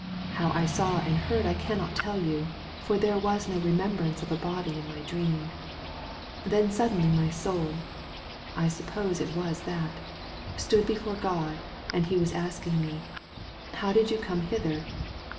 How I saw and heard I cannot tell you, for there was no remembrance of A body in my dream. Then suddenly my soul — I suppose it was that — stood before God and He was asking me: 'How did you come hither?'